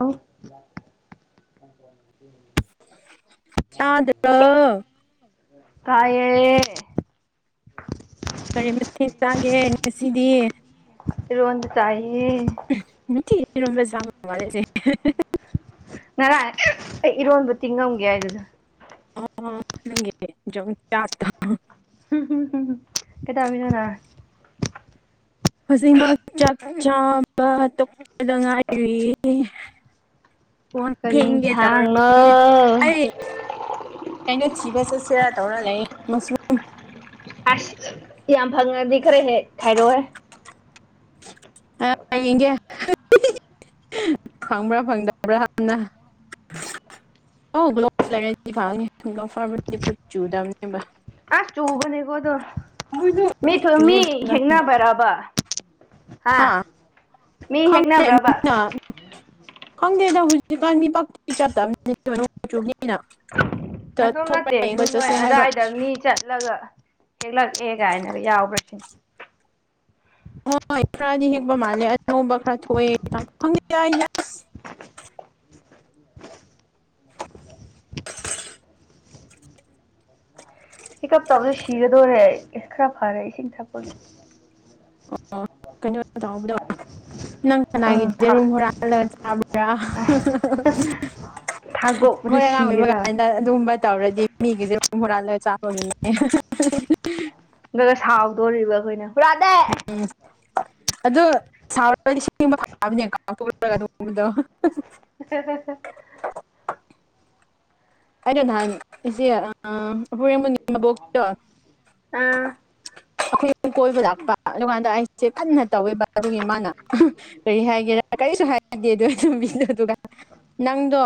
ꯑꯣ ꯇꯥꯕ꯭ꯔꯣ ꯇꯥꯗ꯭ꯔꯣ ꯇꯥꯏꯌꯦ ꯀꯔꯤ ꯃꯥꯊꯦꯜ ꯆꯥꯒꯦ ꯉꯥꯁꯤꯗꯤ ꯏꯔꯣꯟꯕ ꯆꯥꯏꯌꯦ ꯅꯨꯡꯇꯤꯒꯤ ꯏꯔꯣꯝꯕ ꯆꯥꯕ ꯃꯥꯜꯂꯦꯁꯦ [unintelligible] ꯉꯔꯥꯡ ꯑꯩ ꯏꯔꯣꯟꯕ ꯇꯤꯡꯉꯝꯒꯦ ꯍꯥꯏꯕꯗꯨ [unintelligible] ꯀꯩꯗꯧꯔꯝꯃꯤꯅꯣ ꯅꯪ ꯍꯧꯖꯤꯛꯃꯛ ꯆꯥꯛ ꯆꯥꯕ ꯇꯣꯛꯄꯗ ꯉꯥꯏꯔꯤ ꯀꯣꯟ ꯀꯔꯤ ꯐꯦꯡꯒꯦ ꯏꯟꯁꯥꯡꯅꯣ ꯇꯧꯔꯝꯃꯦ ꯑꯩ ꯀꯩꯅꯣ ꯊꯤꯕ ꯆꯠꯁꯤꯔ ꯇꯧꯔ ꯂꯩ ꯃꯁꯔꯨꯝ ꯑꯁ ꯌꯥꯝ ꯐꯪꯉꯗꯤ ꯈꯔ ꯍꯦꯛ ꯈꯥꯏꯔꯛꯑꯣꯍꯦ ꯑꯥ ꯌꯦꯡꯒꯦ ꯐꯪꯕ꯭ꯔꯥ ꯐꯪꯗꯕ꯭ꯔꯥ ꯍꯥꯟꯅ ꯑꯣ ꯒ꯭ꯂꯣꯁ ꯂꯩꯔꯗꯤ ꯐꯒꯅꯤ ꯒ꯭ꯂꯣꯐ ꯎꯞꯄꯗꯤ ꯈꯨꯠ ꯆꯨꯗꯕꯅꯦꯕ ꯑꯁ ꯆꯨꯕꯅꯦꯀꯣ ꯗꯣ ꯃꯣꯏꯗꯣ ꯃꯤ ꯆꯨꯋꯦ ꯃꯤ ꯐꯖꯅ ꯍꯦꯛꯅꯕꯔꯕ ꯍꯥ ꯍꯥꯥ ꯈꯪꯗꯦ ꯃꯤꯅ ꯈꯪꯗꯦꯗ ꯍꯧꯖꯤꯛꯀꯥꯟ ꯃꯤ ꯄꯥꯛ ꯆꯠꯇꯕꯅꯦ ꯅꯣꯡ ꯆꯨꯕꯅꯤꯅ ꯅꯇꯣꯝ ꯊꯣꯛꯄ ꯅꯠꯇꯦ ꯁꯨꯝ ꯌꯦꯡꯕ ꯅꯣꯏ ꯆꯠꯁꯦ ꯍꯥꯏꯕ ꯑꯗꯥꯏꯗ ꯃꯤ ꯆꯠꯂꯒ ꯍꯦꯛꯂꯛꯑꯦ ꯀꯥꯏꯅꯒ ꯌꯥꯎꯕ꯭ꯔꯁꯤꯅꯤ ꯍꯣꯏ ꯈꯔꯗꯤ ꯍꯦꯛꯄ ꯃꯥꯜꯂꯦ ꯑꯅꯧꯕ ꯈꯔ ꯊꯣꯛꯑꯦ ꯇꯥꯏ ꯈꯪꯗꯦꯗ ꯑꯁ ꯍꯤꯀꯠꯆꯕꯅ ꯁꯤꯒꯗꯧꯔꯦ ꯑꯩ ꯑꯁ ꯈꯔ ꯐꯔꯦ ꯏꯁꯤꯡ ꯊꯛꯄꯒꯤ ꯑꯣ ꯀꯩꯅꯣ ꯇꯧꯕꯗꯣ ꯅꯪ ꯀꯅꯥꯒꯤ ꯊꯪ ꯊꯥ ꯌꯦꯔꯨꯝ ꯍꯨꯔꯥꯜꯂꯒ ꯆꯥꯕ꯭ꯔꯥ [unintelligible] ꯊꯥꯗꯣꯛꯄꯗ ꯃꯣꯏ ꯑꯉꯥꯡ ꯑꯣꯏꯕ ꯁꯤꯒꯦꯖꯥꯠꯅꯤ ꯀꯥꯟ ꯑꯗꯨꯒꯨꯝꯕ ꯇꯧꯔꯗꯤ ꯃꯤꯒꯤ ꯌꯦꯔꯨꯝ ꯍꯨꯔꯥꯜꯂꯒ ꯆꯥꯕ ꯃꯤꯅꯦ ꯑꯗꯨꯒ ꯁꯥꯎꯗꯧꯔꯤꯕ ꯑꯩꯈꯣꯏꯅ ꯍꯨꯔꯥꯟꯗꯦ ꯑꯗꯣ ꯁꯥꯎꯔꯗꯤ ꯁꯨꯒꯨꯝꯕꯁꯦ ꯐꯥꯕꯅꯦ ꯀꯥꯎꯗꯣꯛꯔꯒ ꯑꯗꯨꯒꯨꯝꯕꯗꯣ [inaudible] ꯑꯩꯅ ꯅꯍꯥꯟ ꯏꯆꯦ ꯑꯥ ꯑꯍꯣꯏꯅꯤ ꯃꯕꯣꯛꯇꯣ ꯑꯥ ꯑꯩꯈꯣꯏ ꯑꯍꯨꯝ ꯀꯣꯏꯕ ꯂꯥꯛꯄ ꯑꯗꯨꯀꯥꯟꯗ ꯑꯩꯁꯦ ꯀꯟꯅ ꯇꯧꯋꯦꯕ ꯑꯗꯨꯒꯤ ꯃꯥꯅ ꯀꯩ ꯍꯥꯏꯒꯦꯔ ꯀꯔꯤꯁꯨ ꯍꯥꯏꯗꯦ ꯑꯗꯨ ꯑꯣꯏꯔꯁꯨ [unintelligible] ꯅꯪꯗꯣ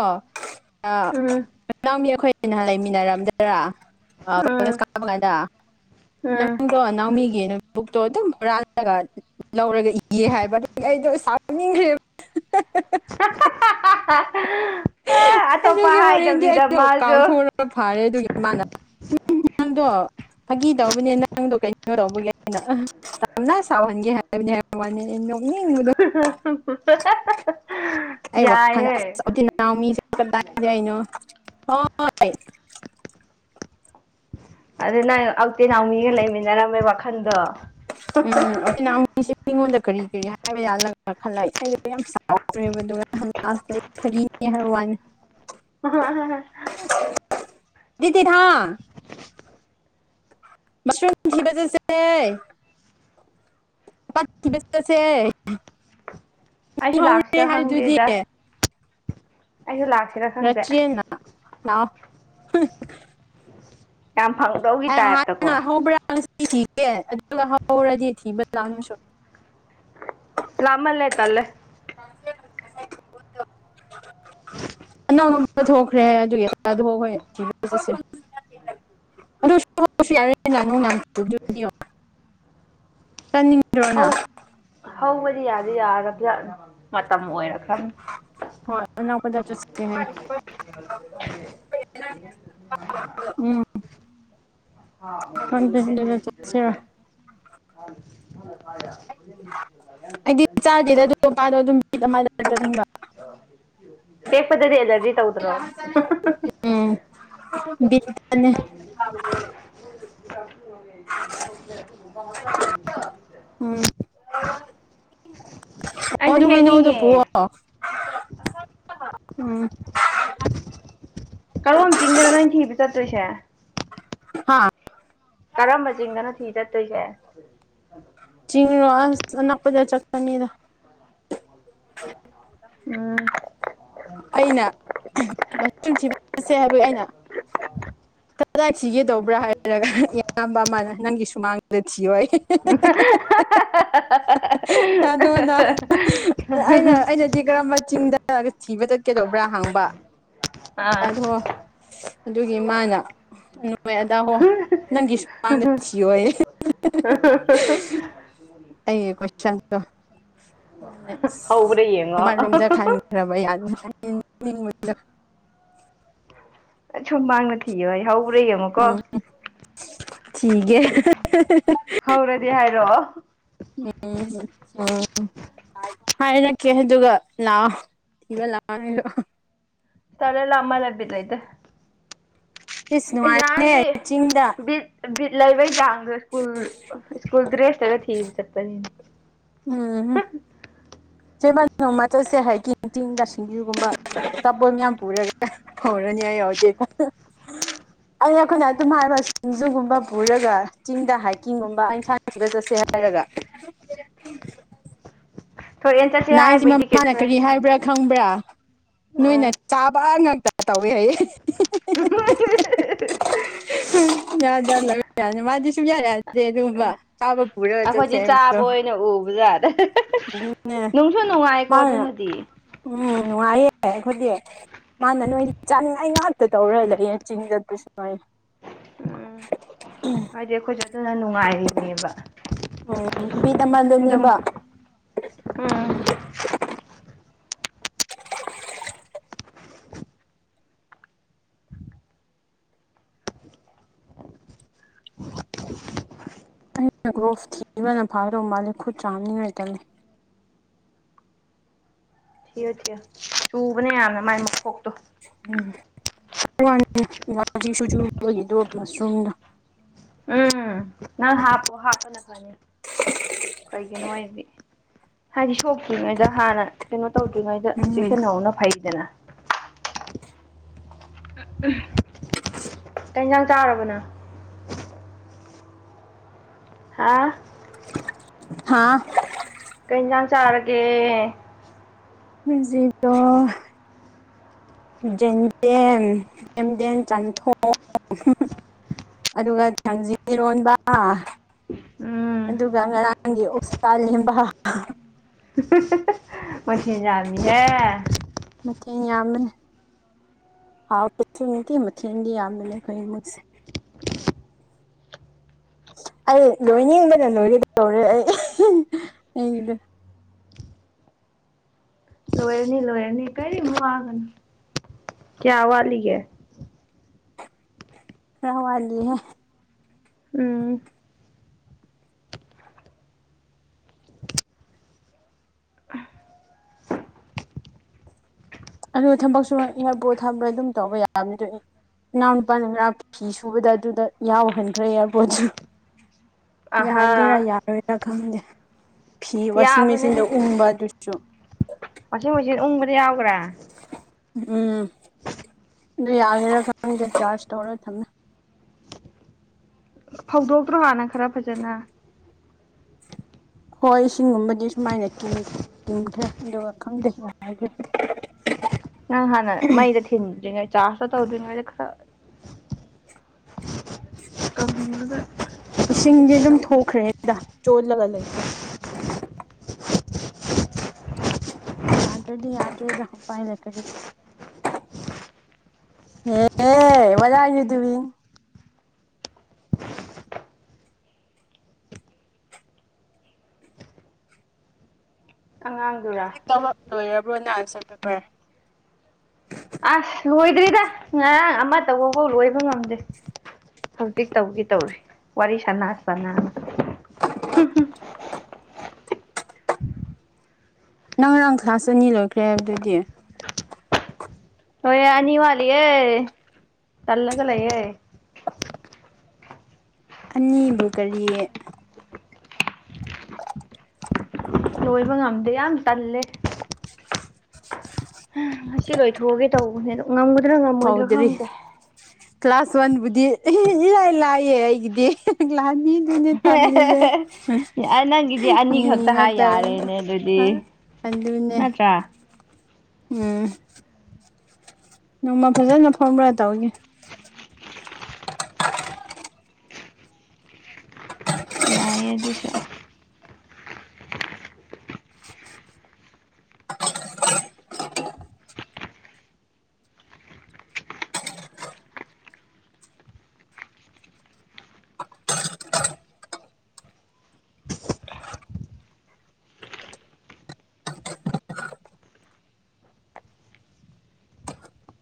ꯑꯥ ꯎꯝ ꯏꯅꯥꯎꯃꯤ ꯑꯩꯈꯣꯏꯅ ꯂꯩꯃꯤꯟꯅꯔꯝꯗ꯭ꯔꯥ ꯑꯥ ꯎꯝ ꯀꯣꯜꯂꯦꯁ ꯀꯥꯥꯕꯀꯥꯟꯗ ꯎꯝ ꯅꯪꯗꯣ ꯅꯥꯎꯃꯤꯒꯤ ꯅꯣꯠꯕꯨꯛꯇꯣ ꯑꯗꯨꯝ ꯍꯨꯔꯥꯜꯂꯒ ꯂꯧꯔꯒ ꯏꯌꯦ ꯍꯥꯏꯕ ꯑꯗꯨꯒꯤ ꯑꯩꯗꯣ ꯁꯥꯎꯅꯤꯡꯈ꯭ꯔꯦꯕ ꯑꯇꯣꯞꯄ ꯍꯥꯏꯗꯕꯤꯗ ꯃꯥꯖꯨ ꯑꯗꯨꯅ ꯐꯔꯦ ꯑꯗꯨꯒꯤ ꯃꯥꯅ [unintelligible] ꯐꯥꯒꯤ ꯇꯧꯕꯅꯦ ꯅꯪꯗꯣ ꯀꯩꯅꯣ ꯇꯧꯕꯒꯤ ꯑꯩꯅ ꯅꯪ ꯁꯥꯎꯍꯟꯒꯦ ꯍꯥꯏ [unintelligible] ꯅꯣꯛꯅꯤꯡꯕꯗꯣ [unintelligible] ꯑꯩ ꯋꯥꯈꯟꯗ ꯑꯁ [unintelligible] ꯍꯣꯏ ꯑꯗꯨ ꯅꯪ ꯑꯟꯇꯤ ꯅꯥꯎꯃꯤꯒ ꯂꯩꯃꯤꯟꯅꯔꯝꯃꯦ ꯋꯥꯈꯜꯗꯣ ꯎꯝ [unintelligible] ꯑꯩꯁꯦ ꯃꯤꯉꯣꯟꯗ ꯀꯔꯤ ꯀꯔꯤ ꯍꯥꯢꯕ ꯌꯥꯜꯂꯒ ꯈꯜꯂꯒ ꯏꯁꯩꯗ ꯌꯥꯝ ꯁꯈ꯭ꯔꯦꯕ ꯑꯗꯨꯒ [unintelligible] ꯍꯥꯢ ꯋꯅꯤ ꯑꯣ [unintelligible] ꯃꯁꯔꯨꯝꯊꯤꯕ ꯆꯠꯁꯦ ꯑꯩꯁꯨ [unintelligible] ꯆꯠꯁꯦ ꯂꯥꯛꯁꯤꯔꯥ [unintelligible] ꯍꯥꯢꯗꯨꯗꯤ ꯈꯪꯗꯦꯗ ꯑꯩꯁꯨ ꯂꯥꯛ ꯔꯆꯤꯟꯅ ꯍꯥꯎ ꯌꯥꯝ ꯐꯪꯗꯧꯒꯤ ꯑꯩ ꯇꯥꯏꯞꯇꯀꯣ ꯍꯥꯟꯅ ꯍꯧꯕ꯭ꯔꯥ ꯉꯁꯤ ꯊꯤꯒꯦ ꯑꯗꯨꯒ ꯍꯧꯔꯗꯤ ꯊꯤꯕ ꯂꯥꯛꯑꯣ ꯅꯣꯢꯁꯨ ꯂꯥꯞꯃꯜꯂꯦ ꯇꯜꯂꯦ ꯑꯅꯝ ꯊꯣꯛꯈ꯭ꯔꯦ ꯑꯗꯨꯒꯤ ꯑꯗꯨꯒ ꯍꯣꯏ ꯊꯤꯕ ꯆꯠꯁꯦ ꯑꯗꯨ [unintelligible] [unintelligible] ꯆꯥꯅꯤꯡꯗ꯭ꯔꯣꯅ ꯍꯧ ꯍꯧꯕꯗꯤ ꯌꯥꯗꯤ ꯌꯥꯒꯗꯔ꯭ ꯃꯇꯝ ꯑꯣꯏꯔꯛꯀꯅꯤ ꯍꯣꯏ ꯑꯔꯥꯞꯄꯗ ꯆꯠꯁꯦ ꯍꯥꯏ [unintelligible] ꯎꯝ ꯍꯥꯥ ꯃꯣꯅ ꯈꯪꯗꯦꯗꯨꯗ ꯆꯠꯁꯤꯔꯣ [unintelligible] [inaudible] [inaudible] ꯑꯩꯗꯤ ꯆꯥꯗꯦꯗ ꯑꯗꯨ ꯃꯄꯥꯗꯣ ꯑꯗꯨꯝ ꯕꯤꯠ ꯑꯃꯗ ꯆꯠꯅꯤꯡꯕ ꯍꯦꯛꯄꯗꯗꯤ ꯑꯦꯂꯔꯖꯤ ꯇꯧꯗ꯭ꯔꯣ ꯎꯝ ꯕꯤꯠꯇꯅꯦ [unintelligible] ꯎꯝ [inaudible] ꯑꯣ ꯑꯩꯁꯨ ꯑꯗꯨ ꯍꯩꯅꯧꯗꯣ ꯍꯦꯛꯅꯤꯡꯉꯦ ꯄꯨꯑꯣ ꯎꯝ ꯀꯔꯣꯝ ꯆꯤꯡꯗꯅꯣ ꯅꯣ ꯊꯤꯕ ꯆꯠꯇꯣꯢꯁꯦ ꯍꯥꯥ ꯀꯔꯝꯕ ꯆꯤꯡꯗꯅꯣ ꯊꯤ ꯆꯠꯇꯣꯢꯁꯦ ꯆꯤꯡꯔ ꯑꯁ ꯑꯅꯛꯄꯗ ꯆꯠꯀꯅꯤꯗ ꯎꯝ ꯑꯩꯅ ꯃꯁꯔꯨꯝ ꯊꯤꯕ ꯆꯠꯁꯦ ꯍꯥꯢꯕꯒꯤ ꯑꯩꯅ ꯀꯗꯥꯏ ꯊꯤꯒꯦꯗꯧꯕ꯭ꯔꯥ ꯍꯥꯏꯔꯒ ꯏꯌꯥꯝꯕ ꯑꯃꯅ ꯅꯪꯒꯤ ꯁꯨꯃꯥꯡꯗꯨꯗ ꯊꯤꯌꯣ ꯍꯥꯏ ꯑꯗꯨꯅ ꯑꯩꯅ [unintelligible] ꯑꯩꯅꯗꯤ ꯀꯔꯝꯕ ꯆꯤꯡꯗ ꯊꯤꯕ ꯆꯠꯀꯦꯗꯧꯕ꯭ꯔꯥ ꯍꯪꯕ ꯑꯥ [unintelligible] ꯑꯗꯨꯒꯤ ꯃꯥꯅ ꯑꯩ ꯍꯣꯏ ꯑꯗꯥ ꯍꯣ ꯅꯪꯒꯤ ꯁꯨꯃꯥꯡꯗ ꯊꯤꯌꯣꯌꯦ [unintelligible] ꯑꯩꯒꯤ ꯀꯣꯏꯁꯟꯇꯣ ꯃꯣꯏ ꯑꯁ ꯍꯧꯕ꯭ꯔꯥ ꯌꯦꯡꯉꯣ ꯑꯃꯔꯣꯝꯗ ꯈꯟ ꯈ꯭ꯔꯕ ꯌꯥꯅꯤ [unintelligible] ꯃꯤ ꯎꯔꯣꯏ [unintelligible] ꯁꯨꯃꯥꯡꯗ ꯊꯤꯌꯣ ꯍꯧꯕ꯭ꯔ ꯌꯦꯡꯉꯣꯀꯣ ꯎꯝ ꯊꯤꯒꯦ [unintelligible] ꯍꯧꯔꯗꯤ ꯍꯥꯏꯔꯛꯑꯣ ꯎꯝ ꯎꯝ ꯍꯥꯏꯔꯛꯀꯦ ꯑꯗꯨꯒ ꯂꯥꯛꯑꯣ ꯊꯤꯕ ꯂꯥꯛꯑꯣ ꯍꯥꯢꯔꯣ ꯇꯜꯂꯦ ꯂꯥꯞꯃꯜꯂꯦ ꯕꯤꯠ ꯂꯩꯇꯦ ꯏꯁ ꯅꯥꯍꯟꯗꯤ ꯅꯨꯡꯉꯥꯏꯕꯅꯦ ꯆꯤꯡꯗ ꯕꯤꯠ ꯕꯤꯠ ꯂꯩꯕꯩ ꯆꯥꯡꯖꯦ ꯁ꯭ꯀꯨꯜ ꯁ꯭ꯀꯨꯜ ꯗ꯭ꯔꯦꯁꯇꯒ ꯊꯤꯕ ꯆꯠꯄꯅꯤꯟ ꯎꯝꯍꯨ ꯆꯦ [inaudible] ꯕꯥꯅꯤ ꯅꯣꯡꯃ ꯆꯠꯁꯦ ꯍꯥꯏꯀꯤꯡ ꯆꯤꯡꯗ ꯁꯤꯡꯖꯨꯒꯨꯝꯕ [inaudible] ꯑꯆꯥꯄꯣꯠ ꯃꯌꯥꯝ ꯄꯨꯔꯒ ꯍꯧꯔꯅꯤꯍꯥꯏ ꯌꯥꯎꯗꯦ [unintelligible] ꯑꯩꯅ ꯑꯩꯈꯣꯏꯅ ꯑꯗꯨꯝ ꯍꯥꯏꯕ ꯁꯤꯡꯖꯨꯒꯨꯝꯕ ꯄꯨꯔꯒ ꯆꯤꯡꯗ ꯍꯥꯏꯀꯤꯡꯒꯨꯝꯕ ꯑꯦꯟꯁꯥꯡ ꯊꯤꯕ ꯆꯠꯁꯦ ꯍꯥꯏꯔꯒ ꯊꯣꯔꯦꯟ ꯆꯠꯁꯦ ꯅꯥꯏꯟꯁꯦ ꯍꯥꯏꯕꯩꯗꯤ ꯃꯃꯥꯅ ꯀꯩꯁꯨ ꯀꯔꯤ ꯍꯥꯏꯕ꯭ꯔꯥ ꯈꯪꯕ꯭ꯔꯥ ꯅꯣꯏꯅ ꯎꯝ ꯆꯥꯕꯥ ꯉꯥꯛꯇ ꯇꯧꯋꯦ ꯍꯥꯏꯌꯦ [unintelligible] ꯌꯥꯗ [unintelligible] ꯃꯥꯗꯤ ꯁꯨꯡꯌꯥ ꯌꯥꯗꯦ ꯑꯗꯨꯒꯨꯝꯕ ꯆꯥꯕ ꯄꯨꯔꯒ ꯆꯠꯁꯦ ꯑꯈꯣꯏꯗꯤ ꯆꯥꯕ ꯍꯥꯏꯕꯗꯣ ꯑꯣꯏꯅ ꯎꯕꯖꯥꯠ ꯑꯗꯨꯅꯦ ꯅꯨꯡꯁꯨ ꯅꯨꯡꯉꯥꯏꯀꯣ ꯃꯥꯅ ꯑꯗꯨꯅꯗꯤ ꯎꯝ ꯅꯨꯡꯉꯥꯏꯌꯦ ꯑꯩꯈꯣꯏꯗꯤ ꯃꯥꯅ ꯅꯣꯏꯗꯤ ꯆꯥꯅꯤꯡꯉꯥꯏ ꯉꯥꯛꯇ ꯇꯧꯔ ꯂꯩꯌꯦ ꯆꯤꯡꯗ [unintelligible] ꯍꯥꯏ ꯎꯝ ꯎꯝ ꯍꯥꯏꯗꯤ ꯑꯈꯣꯏꯁꯨ ꯑꯗꯨꯅ ꯅꯨꯡꯉꯥꯏꯔꯤꯅꯦꯕ ꯎꯝ ꯕꯤꯠ ꯑꯗꯨꯝ ꯑꯃꯗꯅꯦꯕ ꯎꯝ ꯒ꯭ꯂ‌ꯣꯞ ꯊꯤꯕꯅ ꯐꯥꯒꯗꯧ ꯃꯥꯜꯂꯦ ꯈꯨꯠ ꯆꯥꯝꯅꯤꯡꯉꯥꯏ ꯇꯜ ꯊꯤꯌꯨ ꯊꯤꯌꯨ ꯆꯨꯕꯅꯦ ꯌꯥꯝꯅ ꯃꯥꯏ ꯃꯈꯣꯛꯇꯣ ꯎꯝ [inaudible] ꯋꯥꯡꯖꯤ ꯆꯨꯕꯒꯤꯗ‌ꯣ ꯃꯁꯔꯨꯝꯗ‌ꯣ ꯎꯝ ꯅꯪ ꯍꯥꯞꯄꯣ ꯍꯥꯞꯄꯅ ꯐꯅꯤ ꯀꯩꯒꯤꯅꯣ ꯍꯥꯏꯗꯤ ꯍꯥꯏꯗꯤ ꯁꯣꯛꯇ꯭ꯔꯤꯉꯩꯗ ꯍꯥꯟꯅ ꯀꯩꯅꯣ ꯇꯧꯗ꯭ꯔꯤꯉꯩꯗ ꯎꯝ ꯆꯦꯛꯁꯤꯟꯍꯧꯕꯅ ꯐꯩꯗꯅ ꯎꯝ ꯀꯩ ꯏꯟꯖꯥꯡ ꯆꯥꯔꯕ‌ꯣ ꯅꯪ ꯍꯥꯥ ꯍꯥꯥ ꯀꯩꯏꯟꯖꯥꯡ ꯆꯥꯔꯒꯦ [unintelligible] ꯖꯤꯛꯗꯣ ꯖ‌ꯦꯟꯗꯦꯝ ꯌꯦꯝꯗꯦꯝ ꯆꯥꯝꯊꯣꯡ ꯑꯗꯨꯒ ꯊꯥꯡꯖꯤꯡ ꯏꯔꯣꯟꯕ ꯎꯝ ꯑꯗꯨꯒ ꯉꯔꯥꯡꯒꯤ ꯑꯣꯛꯁꯥ ꯂꯦꯝꯕ ꯃꯊ‌ꯦꯟ ꯌꯥꯝꯃꯤꯍꯦ ꯃꯊꯦꯟ ꯌꯥꯝꯕꯅꯦ ꯍꯥꯎ [unintelligible] ꯁꯨ ꯅꯨꯡꯇꯤ ꯃꯊ‌ꯦꯟꯗꯤ ꯌꯥꯝꯕꯅ‌ꯦ ꯈ‌ꯣꯏ ꯏꯃꯨꯡꯁ‌ꯦ [unintelligible] ꯑꯩ ꯂꯣꯏꯅꯤꯡꯕꯅ ꯂꯣꯏꯒꯗꯧꯔꯦ ꯑꯩ ꯑꯩꯗ‌ꯣ ꯂꯣꯏꯔꯅꯤ ꯂꯣꯏꯔꯅꯤ ꯀꯔꯤꯝ ꯋꯥꯒꯅꯨ ꯀꯌꯥ ꯋꯥꯠꯂꯤꯒꯦ ꯈꯔ ꯋꯥꯠꯂꯤ ꯍꯦ ꯎꯝ ꯑꯗꯨ ꯊꯕꯛ ꯁꯨꯔ ꯏꯌꯔꯄ‌ꯣꯠ ꯊꯥꯕ ꯑꯗꯨꯝ ꯇꯧꯕ ꯌꯥꯕꯅꯤꯗꯣ ꯏ ꯏꯅꯥꯎ ꯅꯨꯄꯥꯅ ꯉꯔꯥꯡ ꯐꯤ ꯁꯨꯕꯗ ꯑꯗꯨꯗ ꯌꯥꯎꯍꯟꯈ꯭ꯔꯦ ꯏꯌꯔꯕꯣꯠꯁꯨ ꯑꯍꯥ ꯌꯥꯒꯦꯔꯥ ꯌꯥꯔꯣꯏꯔꯥ ꯈꯪꯗꯦ ꯐꯤ ꯋꯥꯁꯤꯡ ꯌꯥꯕꯅꯦꯍꯦ ꯃꯦꯆꯤꯟꯗ ꯎꯪꯕ ꯑꯗꯨꯁꯨ ꯋꯥꯁꯤꯡ ꯃꯦꯆꯤꯟ ꯎꯪꯕꯗ ꯌꯥꯎꯈꯔꯦ ꯎꯝ ꯑꯗꯨ ꯌꯥꯒꯦꯔꯥ ꯈꯪꯗꯦ ꯆꯥꯔꯖ ꯇꯧꯔ ꯊꯝꯃꯦ ꯐꯧꯗꯣꯛꯇ꯭ꯔꯣ ꯍꯥꯟꯅ ꯈꯔ ꯐꯖꯅ ꯍꯣꯏ ꯏꯁꯤꯡꯒꯨꯝꯕꯗꯤ ꯁꯨꯃꯥꯏꯅ ꯀꯤꯟ ꯀꯤꯟꯈ꯭ꯔꯦ ꯑꯗꯨꯒ ꯈꯪꯗꯦ ꯌꯥꯒꯦꯔ ꯅꯪ ꯍꯥꯟꯅ ꯃꯩꯗ ꯊꯤꯟꯗ꯭ꯔꯤꯉꯩ ꯆꯥꯔꯖꯇꯨ ꯇꯧꯗ꯭ꯔꯤꯉꯩꯗ ꯈꯔ ꯀꯪꯉꯥꯒ ꯏꯁꯤꯡꯗꯤ ꯑꯗꯨꯝ ꯊꯣꯛꯈ꯭ꯔꯦꯗ ꯆꯣꯠꯂꯒ ꯂꯩꯇꯦ [inaudible] ꯌꯥꯗ꯭ꯔꯗꯤ ꯌꯥꯗ꯭ꯔꯦꯗ ꯎꯄꯥꯏ ꯂꯩꯇꯗꯤ ꯑꯦꯍꯦ ꯋꯍꯥꯠ ꯑꯥꯔ ꯌꯨ ꯗꯨꯏꯡ ꯑꯉꯥꯡꯗꯨꯔꯥ ꯊꯕꯛ ꯂꯣꯏꯔꯕ꯭ꯔꯣꯅ ꯑꯟꯁꯔ ꯄꯦꯄꯔ ꯑꯁ ꯂꯣꯏꯗ꯭ꯔꯤꯗ ꯉꯔꯥꯡ ꯑꯃ ꯇꯧꯕꯐꯥꯎ ꯂꯣꯏꯕ ꯉꯝꯗꯦ ꯍꯧꯖꯤꯛ ꯇꯧꯒꯦ ꯇꯧꯔꯤ ꯋꯥꯔꯤ ꯁꯥꯟꯅ ꯁꯥꯟꯅꯅ [inaudible] ꯅꯪ ꯉꯔꯥꯡ ꯀ꯭ꯂꯥꯁ ꯑꯅꯤ ꯂꯣꯏꯈ꯭ꯔꯦ ꯍꯥꯏꯕꯗꯨꯗꯤ ꯂꯣꯏꯔꯦ ꯑꯅꯤ ꯋꯥꯠꯂꯤꯌꯦ ꯇꯜꯂꯒ ꯂꯩꯔꯦ ꯑꯅꯤꯕꯨ ꯀꯔꯤ ꯂꯣꯏꯕ ꯉꯝꯗꯦ ꯌꯥꯝ ꯇꯜꯂꯦ [inaudible] ꯉꯁꯤ ꯂꯣꯏꯊꯣꯛꯑꯒꯦ ꯇꯧꯕꯅꯦ ꯑꯗꯣ ꯉꯝꯒꯗ꯭ꯔꯥ ꯉꯝꯃꯣꯏꯗ꯭ꯔꯥ ꯍꯧꯗ꯭ꯔꯤ ꯈꯪꯗꯦ ꯀ꯭ꯂꯥꯁ ꯋꯥꯟꯕꯨꯗꯤ ꯏꯂꯥꯏ ꯂꯥꯏꯌꯦ ꯑꯩꯒꯤꯗꯤ ꯂꯥꯛꯅꯤ ꯑꯗꯨꯅꯦ ꯇꯜꯂꯤꯖꯦ ꯅꯪꯒꯤꯗꯤ ꯑꯅꯤꯈꯛꯇ ꯍꯥꯏ ꯌꯥꯔꯦꯅꯦ ꯑꯗꯨꯗꯤ ꯑꯗꯨꯅꯦ ꯅꯠꯇ꯭ꯔꯥ ꯎꯝ ꯅꯣꯡꯃ ꯐꯖꯅ ꯐꯪꯕ꯭ꯔ ꯇꯧꯒꯦ ꯌꯥꯏꯌꯦ ꯑꯗꯨꯁꯨ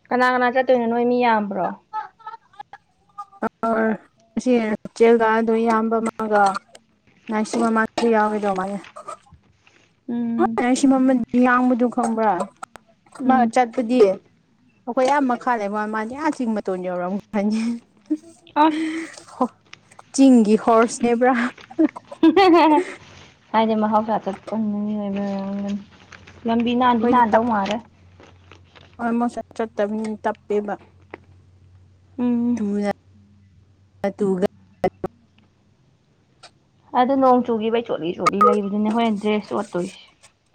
ꯀꯅꯥ ꯀꯅꯥ ꯆꯠꯇꯣꯏꯅꯣ ꯅꯣꯏ ꯃꯤ ꯌꯥꯝꯕ꯭ꯔꯣ ꯑꯥꯔ ꯉꯁꯤ ꯏꯆꯦꯜꯒ ꯑꯗꯣ ꯏꯌꯥꯝꯕ ꯑꯃꯒ ꯉꯥꯏꯁꯨ ꯃꯃꯥꯁꯨ ꯌꯥꯎꯒꯗꯧꯕ ꯃꯥꯜꯂꯦ ꯎꯝ ꯅꯪ ꯁꯤ ꯃꯃꯜ ꯌꯥꯡꯕꯗꯨ ꯈꯪꯕ꯭ꯔꯥ ꯃꯥ ꯎꯝ ꯆꯠꯄꯗꯤ ꯑꯩꯈꯣꯏ ꯑꯥ ꯃꯈꯥ ꯂꯩꯕ ꯃꯥꯗꯤ ꯌꯥ ꯆꯤꯡ ꯃꯇꯣꯟ ꯌꯧꯔꯝ ꯒꯅꯤ ꯑꯁ ꯆꯤꯡꯒꯤ ꯍꯣꯔꯁꯅꯦꯕ꯭ꯔ ꯍꯥꯏꯗꯤ ꯃꯍꯧꯁꯥ ꯆꯠꯄ ꯂꯝꯕꯤ ꯅꯥꯟꯗꯤ ꯑꯩꯈꯣꯏꯗꯤ ꯅꯥꯟꯗꯧ ꯇꯞ ꯃꯥꯜꯂꯦ ꯑꯣꯜꯃꯣꯁ ꯆꯠ ꯆꯠꯇꯕꯅꯤꯅ ꯇꯞꯄꯦꯕ ꯎꯝ ꯇꯨꯒ ꯑꯗꯨꯒ ꯑꯗꯣ ꯅꯣꯡ ꯆꯨꯈꯤꯕꯩ ꯆꯣꯠꯂꯤ ꯆꯣꯠꯂꯤ ꯂꯩꯕꯗꯨꯅꯦ ꯍꯣꯔꯦꯟ ꯗ꯭ꯔꯦꯁ ꯁꯣꯠꯇꯣꯏꯁꯦ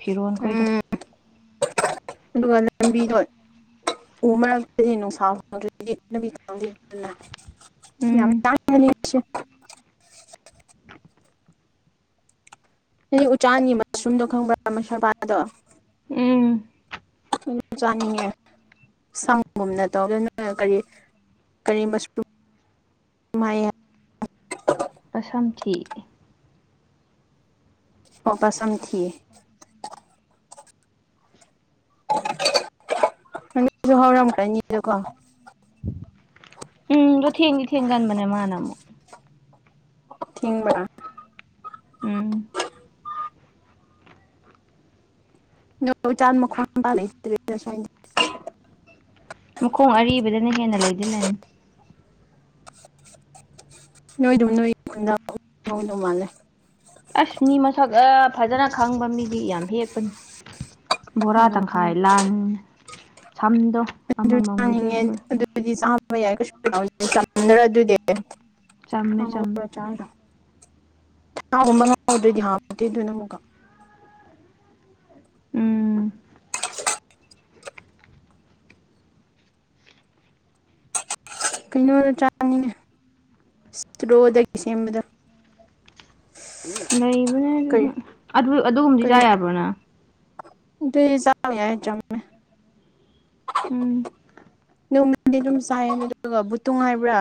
ꯐꯤꯔꯣꯜ ꯈꯣꯏꯗꯣ ꯎꯝ ꯑꯗꯨꯒ ꯂꯝꯕꯤꯗꯣ [inaudible] ꯌꯥꯝ ꯎꯝ ꯇꯥꯡꯕꯅꯤ ꯏꯁꯤꯡ ꯅꯪꯗꯤ ꯎꯆꯥꯟꯒꯤ ꯃꯁꯔꯨꯝꯗꯣ ꯈꯪꯕ꯭ꯔ ꯎꯝ ꯆꯥꯅꯤꯡꯉꯦ ꯁꯪꯒꯨꯝꯅ ꯇꯧꯔꯦꯅ ꯀꯔꯤ ꯀꯔꯤ ꯃꯁꯔꯨꯝ ꯍꯥꯏꯌꯦ ꯄꯥꯁꯝꯊꯤ ꯑꯣ ꯄꯁꯝꯊꯤꯑꯦ ꯅꯪꯁꯨ ꯍꯧꯔꯝ ꯀꯅꯤꯗꯀꯣ [unintelligible] ꯊꯦꯡꯗꯤ ꯊꯦꯡꯒꯟꯕꯅꯦ ꯃꯅꯥ ꯑꯃꯨꯛ ꯊꯤꯡꯕ꯭ꯔꯥ ꯎꯝ [unintelligible] ꯃꯈꯣꯡ ꯑꯔꯤꯕꯗꯅ ꯍꯦꯟꯅ ꯂꯩꯗꯤ ꯂꯩꯕ ꯅꯤ ꯅꯣꯏꯗꯨ ꯅꯣꯏ ꯈꯨꯟꯗ [unintelligible] ꯉꯧꯗꯧ ꯃꯥꯜꯂꯦ ꯑꯁ ꯃꯤ ꯃꯁꯛ ꯑꯥ ꯐꯖꯅ ꯈꯪꯕ ꯃꯤꯗꯤ ꯌꯥꯝ ꯍꯦꯛꯄꯅꯤ ꯕꯣꯔꯥ ꯇꯪꯈꯥꯏ ꯂꯥꯟ ꯁꯝꯗꯣ ꯑꯗꯨ ꯑꯃꯃꯝꯒ ꯆꯥꯅꯤꯡꯉꯦ ꯍꯦꯛꯄꯅꯤ ꯆꯝꯃꯦ ꯆꯝꯃꯦ [unintelligible] ꯁꯥ ꯒꯨꯝꯕ ꯉꯧꯗ꯭ꯔꯗꯤ ꯍꯥꯎꯇꯦ ꯗꯨꯅ ꯑꯃꯨꯛꯀ ꯎꯝ [unintelligible] ꯀꯩꯅꯣꯗꯣ ꯆꯥꯅꯤꯡꯉꯦ ꯁꯇ꯭ꯔꯣꯗꯒꯤ ꯁꯦꯝꯕꯗꯣ ꯂꯩꯕꯅꯦ ꯑꯗꯨꯁꯨ ꯀꯔꯤ ꯑꯗꯨ ꯑꯗꯨꯒꯨꯝꯕꯗꯤ ꯆꯥ ꯀꯔꯤ ꯌꯥꯕ꯭ꯔꯣ ꯅꯪ ꯑꯗꯨꯗꯤ ꯆꯥꯕ ꯌꯥꯏ ꯆꯝꯃꯦ ꯎꯝ ꯅꯣꯡꯃꯗꯤ ꯑꯗꯨꯝ ꯆꯥꯏꯌꯦ ꯑꯗꯨꯒ ꯕꯨꯠꯇꯨꯡ ꯍꯥꯏꯕ꯭ꯔꯥ